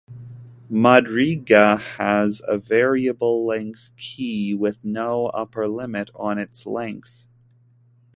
Madryga has a variable-length key, with no upper limit on its length.